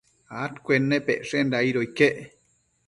adcuennepecshenda aido iquec